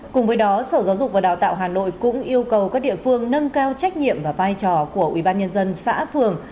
cùng với đó sở giáo dục và đào tạo hà nội cũng yêu cầu các địa phương nâng cao trách nhiệm và vai trò của ủy ban nhân dân xã phường